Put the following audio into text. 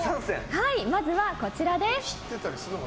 まずは、こちらです。